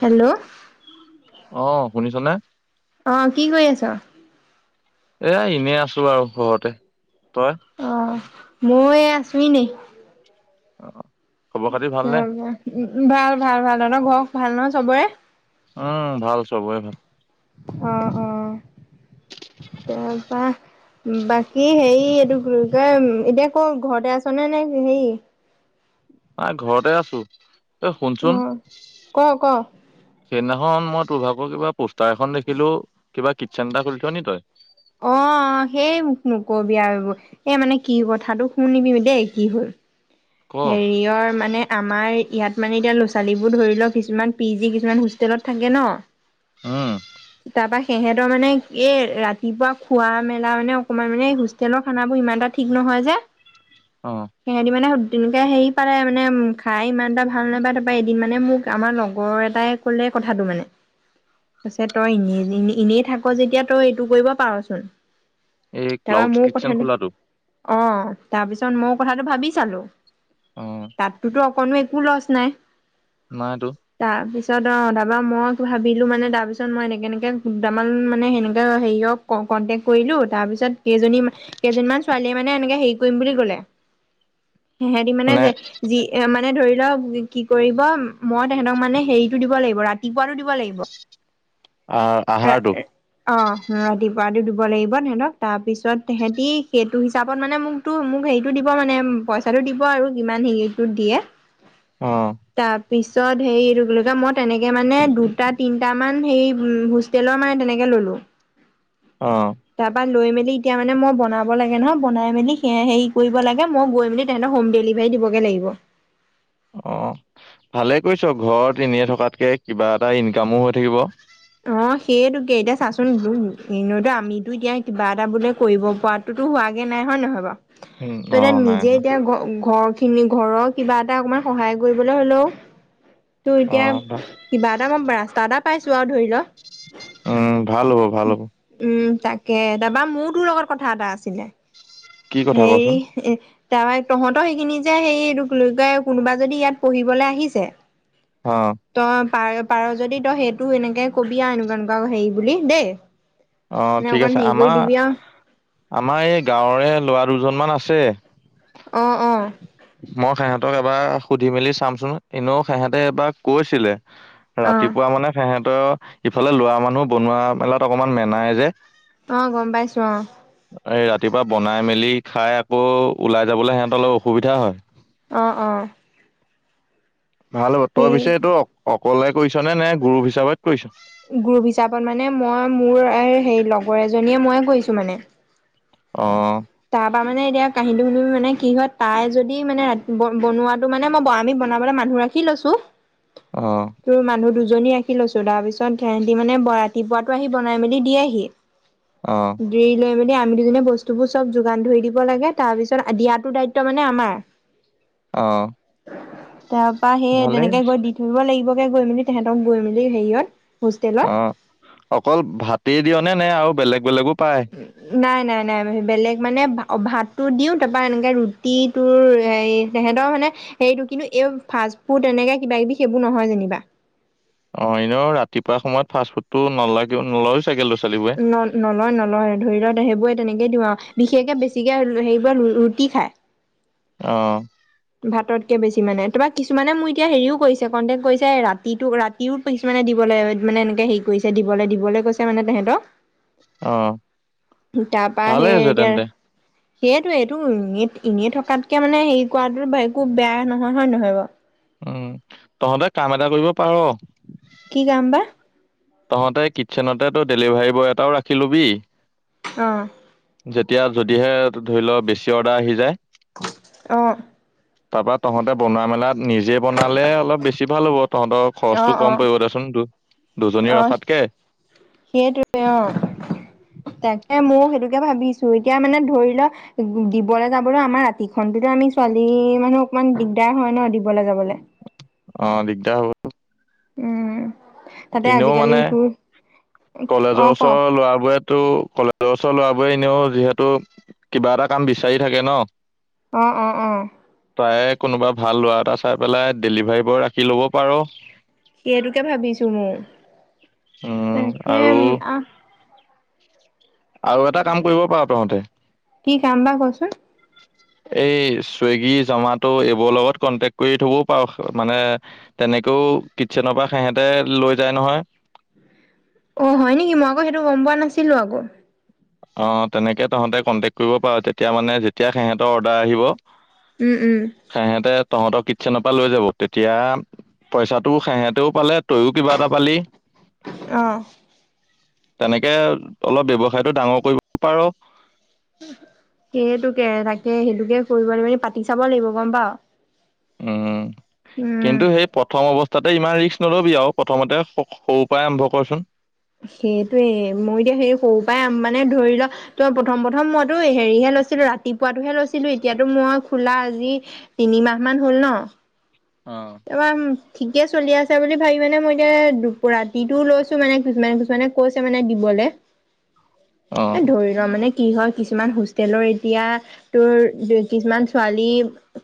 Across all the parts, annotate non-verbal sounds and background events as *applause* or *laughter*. Hello অ শুনিছনে? আহ কি কৰি আছ। এয়া এনেই আছো আৰু ঘৰতে? তই আহ। মই এ আছো এনেই? অ খবৰ খাতি ভালনে উম ভাল ভাল ভাল তহঁতৰ ঘ। ভাল নহ চবৰে, উম ভাল চবৰে ভাল। আহঁ অঁ। তাৰপা। বাকী সেই। এই এইটো এতিয়া ক ঘৰতে আছ নে নে হেৰি? নাই ঘৰতে আছো? ত অ শুনচোন ক ক সেইদিনাখন মত। তোৰ ভাগৰ কিবা। পোষ্টাৰ এখন দেখিলো? কিবা কিটচেন এটা খুলিছ নে তই। অ সেই মোক নকবি আৰু এই মানে কি কথাটো শুনিবি দেই কি হল। ক হেৰিয়ৰ মানে? আমাৰ ইয়াত মানে এতিয়া ল'ৰা ছোৱালীবোৰ ধৰি লওক কিছুমান পি জি কিছুমান হোষ্টেলত থাকে ন। উম তাৰপা সিহঁতৰ মানে এই ৰাতিপুৱা খোৱা মেলা মানে অকমান মানে হোষ্টেলৰ খানাবোৰ ইমান এটা ঠিক নহয় যে। অ সিহঁতি মানে? তেনেকে হেৰি পালে মানে উম খাই ইমান? এটা ভাল নাপায় তাৰ এদিন। মানে মোক আমাৰ লগৰ এটাই কলে কথাটো মানে কৈছে তই এনেই এনেই থাক যেতিয়া তই এইটো কৰিব পাৰচোন এই তাৰপা ক্লাউড মোৰ কিচেন কথাটো খোলাটো অ তাৰপিছত মই কথাটো ভাবি চালো অ তাততোত কনো একো লছ নাই নাইটো পিছত অ তাৰ পৰা মই ভাবিলো মানে তাৰ পিছত মই এনেকে এনেকে তাৰমান মানে সেনেকে হেৰিয়ক কনটেক্ট কৰিলো তাৰপিছত কেইজনী কেইজনীমান ছোৱালীয়ে মানে এনেকে হেৰি কৰিম বুলি কলে সেহতি মানে যে যি এ মান মানে ধৰি লওক কি কৰিব মই তেহেতক মানে হেৰিটো দিব লাগিব ৰাতি খুৱাতো দিব লাগিব আহ ৰা আহাৰটো অ ৰাতিপুৱাটো দিব লাগিব তেহেতক তাৰ পিছত তেহেতি সেইটো হিচাপত মানে মোকতো মোক হেৰিটো দিব মানে পইচা টো দিব আৰু কিমান হেৰিটোত দিয়ে অ তাত পিছত হেৰিটো মই তেনেকে মানে দুটা তিনটা মান হে হোষ্টেলৰ মানে তেনেকে ললো অ তাৰপৰা লৈ মেল এতিয়া মানে মই বনাব লাগে নহয় বনাই মেলি হে হেৰি কৰিব লাগে মই গৈ মেলি তেহেতৰ হোম ডেলিভাৰী দিবগে লাগিব অ ভালে কৈছ ঘৰত এনেই থকাতকে কিবা এটা ইনকামো হৈ থাকিব অ সেয়েটোকে এতিয়া চাচোন আমিতো এতিয়া কিবা এটা বোলে কৰিব পৰাটোতো হোৱাগে নাই হয় নহয় বাৰু উম তই অ এতিয়া নাই নিজে হোৱা। এতিয়া গ গ ঘৰ খিনি ঘৰৰ কিবা এটা অকমান সহায় কৰিবলৈ হলেও ত অ এতিয়া ভা কিবা এটা ৰাস্তা এটা পাইছো আও ধৰি ন *unintelligible* উম ভাল হ'ব ভাল হ'ব উম, তাকে তাপা মোৰ তোৰ লগত কথা এটা আছিলে কি কথা সেৰি কচোন এ তাৰ তহঁত সেইখিনি যে সেই ল কোনোবা যদি ইয়াত পঢ়িবলৈ আহিছে অ ত পাৰ পাৰ যদি তো সেইটোও এনেকে কবি আও এনকা এনেকুৱা হেৰি বুলি দেই অ এনে ঠিক অকণ আছে হেৰি কৰি আমাৰ দিবি আও আমাৰ এই গাঁৱৰে লৰা দুজন মান আছে অ অ মই সিহঁতক এবাৰ সুধি মেলি চামচোন এনেও সিহেঁতে এবাৰ কৈছিলে অ ৰাতিপুৱা মানে সিহঁত ত ইফালে লোৱা মানুহ বনোৱা মেলাত অকমান মেনাই যে অ গম পাইছো অ এই ৰাতিপুৱা বনাই মেলি খাই আকৌ ওলাই যাবলৈ সিহঁত অলপ অসুবিধা হয় অ অ ভাল হ'ব তই সেই পিছে এইটো অ কলে কৰিছ নে নে গুৰু হিচাপত কৰিছ গ্ৰুপ হিচাপত মানে মই মোৰ সেই লগৰ এজনীয়ে মই কৰিছো মানে অ তাৰপা মানে এতিয়া কাহিনীটো শুনি মানে কি হয় তাই যদি মানে ৰাতি বনোৱাটো মানে মই আমি বনাবলৈ মানুহ ৰাখি লৈছো অ কি মানুহ দুজন দুজনী ৰাখি লৈছো তাৰ পিছত সিহঁতি মানে ৰাতিপুৱাটো আহি বনাই মেলি দিয়েহি অ ড লৈ মানে নে বস্তু *unintelligible* চব যোগান ধৰি দিব লাগে তাৰপিছত দিয়াটো দায়িত্ব মানে আমাৰ আহ তাৰ পৰা সেই তেনেকে গৈ দি থাকিব লাগিব গৈ মেলি তেহঁতক গৈ মেলি হেৰিয়ত হোষ্টেলত। অ অকল ভাতেই দিয়া নে নে আৰু বেলেগ বেলেগ নাই নাই নাই বেলেগ মানে অভাত। তু দিও তাৰপৰা এনেকে ৰুটিটোৰ হেতৰ মানে হেৰিটো কিন্তু এই ফাষ্ট ফুড এনেকে কিবা কিবি সেইবোৰ নহয় যেনিবা। অ এনেও ৰাতিপুৱা সময়ত ফাষ্ট ফুডটো নালাগি নলয়। ন নলয় নলয় ধৰি লত সেইবোৰেই। তেনেকে দিওঁ আৰু বিশেষকে বেছিকে সেইবোৰে ৰুটি খাই। অ ভাতকে বেছি। কি মানে তুমাক কিছুমানে মোৰ এতিয়াও হেৰিও কৰিছে কণ্টেক্ট কৰিছে ৰাতিটোক ৰাতিও কিছুমানে দিবলৈ মানে এনেকৈ হেৰি কৰিছে দিবলৈ দিবলৈ কৈছে মানে তেহেঁতক। অ ভালেই হৈছে তেন্তে। সেইটোৱে টো ইয়াত এনেই থকাতকে মানে হেৰি কৰাটো একো বেয়া নহয়! হয় নহয় বাৰু। উম! তহঁতে কাম এটা কৰিব পাৰ। কি কাম বা? তহঁতে কিটচেনতে এটা ডেলিভাৰী বয় এটাও ৰাখিলবি। আহ! যেতিয়া যদিহে ধৰি ল বেছি অৰ্ডাৰ আহি যায়। আহ! তাৰ পৰা তহঁতে বনোৱা মেলাত। নিজে বনালে অলপ বেছি ভাল হ'ব। তহঁতৰ অ খৰচটো অ কম পৰিব দেচোন তোৰ দুজনী অ ৰখাতকে সেইটোৱে অ তাকে মোৰ সেইটোকে। এতিয়া ভাবিছো! এতিয়া মানে ধৰি লও দিবলৈ যাবলৈ আমাৰ ৰাতিখনতোতে আমি ছোৱালী মানুহ অকমান দিগদাৰ হয় ন দিবলৈ যাবলৈ। অ দিগদাৰ হব। উম! তাতে এনেও আজিকালি মানে তোৰ অ কলেজৰ ক ওচৰ লৰাবোৰেতো কলেজৰ। কলেজৰ লৰাবোৰে এনেও যিহেতু কিবা এটা কাম বিচাৰি থাকে ন। অ অ অ। তাৰে কোনোবা ভাল লৰা এটা চাই পেলাই ডেলিভাৰী বয় ৰাখি ল'ব পাৰ। সেইটোকে ভাবিছো মই উম আৰু! আৰু এটা কাম কৰিব পাৰ তহঁতে। কি কাম বা কচোন এই চুইগী, জমাটো এইবোৰৰ লগত কন্টেকট কৰি থ'বও পাৰ মানে তেনেকেও কিটচেনৰ পৰা সিহতে লৈ যায় নহয়। অ হয় নেকি মই আকৌ সেইটো গম পোৱা নাছিলো আকৌ। অ তেনেকে তহঁতে কণ্টেক্ট কৰিব পাৰ তেতিয়া মানে যেতিয়া সিহঁতৰ অৰ্ডাৰ আহিব। উম উম। তহঁতক কিটচেনৰ পৰা লৈ যাব তেতিয়া পইচাটো সেহেঁতেও পালে। তইও কিবা এটা পালি। অ তেনেকে অলপ ব্যৱসায়টো ডাঙৰ। কৰিব পাৰ। সেইটোকে তাকে সেইটোকে কৰিব লাগিব, পাতি চাব লাগিব গম পাওঁ। উম্! কিন্তু সেই প্ৰথম অৱস্থাতে ইমান ৰিস্ক নলবি আও প্ৰথমতে। সক - সৰুৰ পৰাই আৰম্ভ কৰচোন। সেইটোয়ে। মই এতিয়া সেই সৰুৰ পৰাই মানে ধৰি লোৱা তো প্ৰথম প্ৰথম মইতো হেৰিহে লৈছিলো, ৰাতিপুৱাতোহে লৈছিলো। এতিয়াতো মই খোলা আজি তিনিমাহ মান হল ন। অ কিমান ঠিকে চলি আছে বুলি ভাবি মানে মই এতিয়া দুপ- ৰাতিটো লৈছো মানে কিছুমানে কিছুমানে কৈছে মানে দিবলে। অ এ ধৰি লোৱা মানে কি হয় কিছুমান হোষ্টেলৰ এতিয়া তোৰ ডু - কিছুমান ছোৱালী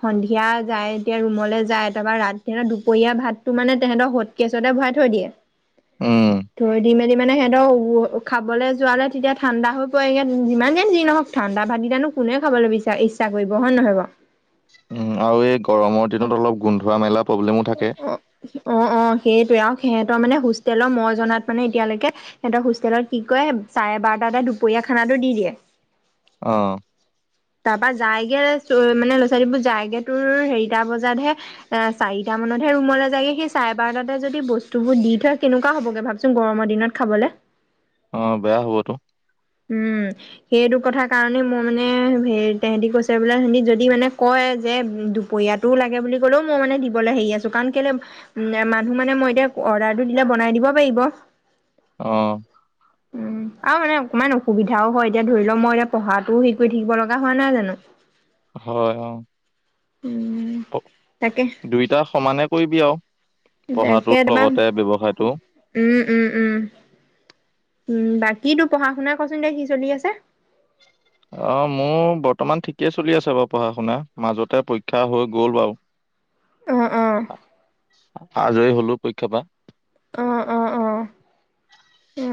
সন্ধিয়া যায় এতিয়া ৰুমলৈ যায় তাৰপৰা দুপৰীয়া ভাতটো মানে তেহেঁতৰ হটকেচতে ভৰাই থৈ দিয়ে। উম। যদি মানে সেহেতৰ উ - খাবলে যোৱালে তেতিয়া ঠাণ্ডা হৈ পৰে যিমানে যি নহওক ঠাণ্ডা ভাত কিটানো কোনে খাবলে বিচা- ইচ্ছা কৰিব হয় নহয় বাৰু। উম আৰু এই গৰমৰ দিনত অলপ গোন্ধোৱা মেলা প্ৰব্লেমো অ'। থাকে অ' অ'। সেইটোৱে আৰু সেহেতৰ মানে হোষ্টেলৰ মই জনাত মানে এতিয়ালৈকে সেহেতৰ হোষ্টেলত কি কয় চাৰে বাৰটা তে দুপৰীয়া খানাটো দি দিয়ে। অ'। তাৰপা যায়গে চ - মানে ল'ৰা ছোৱালীবোৰ যায়গে তোৰ হেৰিটা বজাতহে এ চাৰিটা মানতহে ৰুমলে যায়গে। সেই চাৰে বাৰটাতে যদি বস্তুবোৰ দি থৈ কেনেকুৱা হবগে ভাবচোন গৰমৰ দিনত খাবলে? অ' বেয়া হ'বতো। উম। সেইটো কথাৰ কাৰণে মই মানে হ -তেহেতি কৈছে বোলে সেহতি যদি মানে কয় যে দুপৰীয়াটোও লাগে বুলি কলেও মই মানে দিবলে হেৰি আছো কাৰণ কেলে মানুহ মানে মই এতিয়া অৰ্ডাৰটো দিলে বনাই দিব পাৰিব। অ উম। আৰু মানে অকমান অসুবিধাও হয়। এতিয়া ধৰি লোৱা মই এতিয়া পঢ়াটোও হেৰি কৰি থাকিব লগা হোৱা নাই জানো? হয়। অ'। উম। তাকে দুইটা সমানে কৰিবি আৰু। তাকে পঢ়াটোৰ তোমাৰ লগতে ব্যৱসায় টো। উম উম উম। উম। বাকী তোৰ পঢ়া শুনা কচোন দে কি চলি আছে? অ মোৰ বৰ্তমান ঠিকেই চলি আছে বাৰু পঢ়া শুনা মাজতে পৰীক্ষা হৈ গ'ল বাৰু। অ', অ', আজৰি হলোঁ। পৰীক্ষা পা অ' অ' অ'। অ'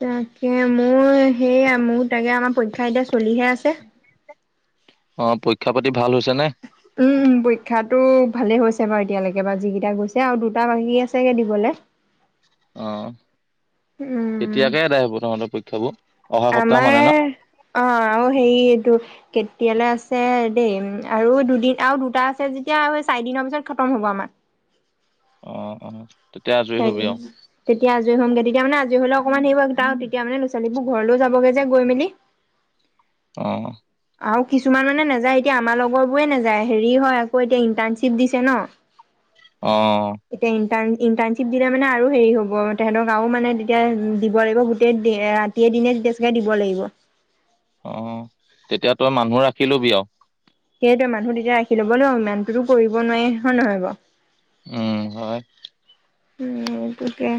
তাকে মোৰ সেইয়া মোৰ তাকে আমাৰ পৰীক্ষা এতিয়া চলিহে আছে। অ' পৰীক্ষা পাতি ভাল হৈছে নে? উম। পৰীক্ষাতো ভালে হৈছে বাৰু এতিয়ালৈকে বা যিকিটা গৈছে আৰু দুটা বাকী আছেগে দিবলে। অ'। উম কেতিয়াকে এদায় হব তহঁতৰ পৰীক্ষাবোৰ? অহা সপ্তাহ মানে ন আমাৰ অ আৰু হেৰি এইটো কেতিয়ালৈ আছে দেই উম আৰু দুদিন আৰু দুটা আছে যেতিয়া স- চাৰি দিনৰ পিছত খতম হ'ব আমাৰ। অ' অ'। তেতিয়া আজৰি হবি আৰু তেতিয়া আজৰি হ'মগে। তেতিয়া মানে আজৰি হ'লে অকমান তেতিয়া মানে ল'ৰা ছোৱালী বোৰ ঘৰলৈ যাবগে যে গৈ মেলি অ আৰু কিছুমান মানে নাযায়, এতিয়া আমাৰ লগৰ বোৰে নাযায়। হেৰি হয় আকৌ এতিয়া ইন্টাৰ্ণশ্বিপ দিছে ন! অ এতিয়া ইণ্টাৰ্ণশ্বিপ দিলে মানে আৰু হেৰি হ'ব তেহঁতক আৰু মানে তেতিয়া দিব লাগিব গোটেই ৰাতিয়ে দিনে বেছিকে দিব লাগিব। অ তেতিয়া তই মানুহ ৰাখিলবি আও। সেইটোৱে মানুহ তেতিয়া ৰাখি ল'ব ন ইমানটোতো কৰিব নোৱাৰি হয় নহয় বাও। উম! হয়। উ এইটোকে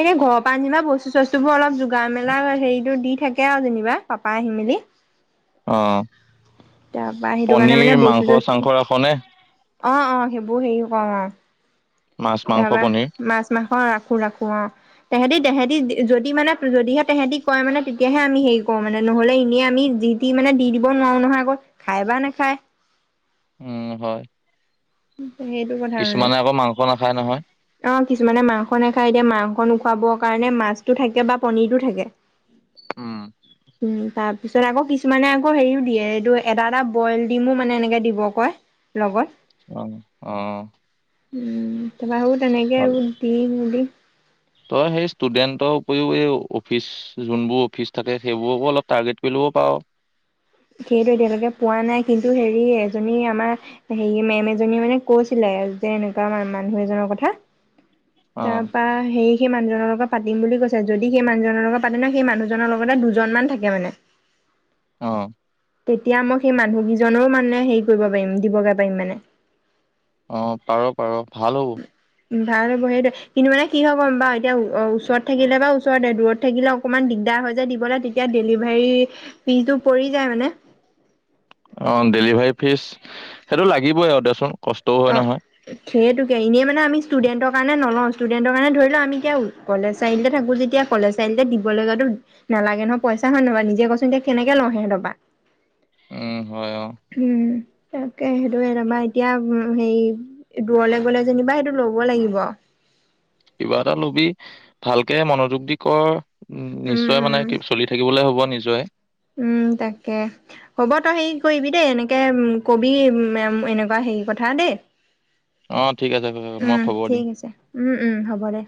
এনে ঘৰৰ আনিবা বস্তু চস্তু বোৰ অলপ জু। গা মেলা হেৰিতটো দি থাক। তাকে যেনিবা পাপাই আহি মেলি। অ তাৰপা সেইটো কাৰণে মানে পনীৰ বস্তু মাংস চস্তু চাংস ৰাখনে? অ অ সেইবোৰ হেৰিও কৰওঁ অ। মাছ মাংস তাৰপা পনিৰ মাছ মাংস ৰাখ। ৰাখো ৰাখো অ, তেহেতি তেহেতি যদি মানে, যদিহে তেহেতি কয় মানে তেতিয়াহে আমি হেৰি কৰো মানে নহলে এনেই আমি যি দি মানে দি দিব নোৱাৰো নহয় আকৌ খাই বা নাখায়। উম হয়। উম! কিছুমানে আকৌ মাংস নাখায় নহয়। অ কিছুমানে মাংস নেখায়। এতিয়া মাংস নুখুৱাবৰ কাৰণে মাছতটো থাকে বা পনীৰটো থাকে। উম উম! তাপ পিছলে আকৌ কিছুমানে আকৌ হেৰিও দিয়ে, এইটো এটা এটা বইল ডিমো মানে এনেকে দিব কয়, লগত। অহ! অহ্! উম! তা পা শুধ? তেনেকে আৰু দি মেলি। তই সেই ষ্টুডেণ্টৰ উপৰিও এই অফিচ যোনবোৰ অফিচ থাকে সেইবোৰকো অলপ টাৰ্গেট কৰি ল'ব পাওঁ। সেইটো এতিয়ালৈকে পোৱা নাই, কিন্তু হেৰি এজনী আমাৰ। হেৰি মেম এজনীয়ে মানে কৈছিলে, যে এনেকুৱা মানুহ এজনৰ কথা। তাৰ পা সেই সেই মানুহজনৰ লগত পাতিম বুলি কৈছে, যদি সেই মানুহজনৰ লগত পাতিম ন সেই মানুহজনৰ লগতে দুজনমান থাকে মানে। আহ! তেতিয়া, মই সেই মানুহকেইজনৰো মানে হেৰি কৰিব পাৰিম, দিবগে পাৰিম মানে। অ পাৰ পাৰ ভাল হ'ব। ভাল হ'ব। সেইটো কিন্তু মানে কি হ'ব গম পাওঁ, এতিয়া ওচৰত থাকিলে বা ওচৰতে দূৰত থাকিলে অকমান দিগদাৰ হৈ যায় দিবলৈ তেতিয়া ডেলিভাৰী ফিজটো পৰি যায় মানে। অ ডেলিভাৰী ফিজ সেইটো লাগিবই আৰু দেচোন। কষ্টও হয় অ নহয় সেইটোকে এনেই মানে আমি ষ্টুডেন্টক। কাৰণে নলওঁ ষ্টুডেন্টৰ কাৰণে ধৰি ল আমি এতিয়া কলেজ চাৰিআলতে থাকোঁ যেতিয়া কলেজ চাৰিআলিতে দিবলৈ যোৱাতো নালাগে নহয় পইচা হয় নবা নিজে কছচোন এতি কেনেকৈ লওঁ সিহঁতপা। উম! হয় অ। তাকে সেইটোয়ে তাপা এতিয়া। হেৰি! দূৰলে গ'লে যেনিবা সেইটো ল'ব লাগিব। কিবা এটা লবি ভালকে মনোযোগ দি কৰ। উম নিশ্চয় মানে কি চলি থাকিবলে হ'ব নিচয়। জয় উম তাকে হ'ব তই হেৰি কৰিবি দেই এনেকে উ কবি এনেকুৱা হেৰি কথা দেই। অ' ঠিক আছে মই উম খবৰ দিম। ঠিক আছে উম উম হ'ব দে।